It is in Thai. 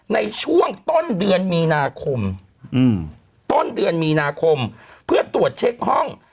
ในช่วงต้นเดือนมีนาคมเพื่อตรวจเช็คห้อง